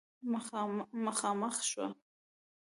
مخامخ شوه